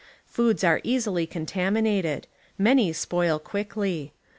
Foods are easily contaminated; man J' spoil quickly.